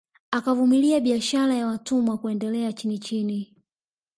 Akavumilia biashara ya watumwa kuendelea chinichini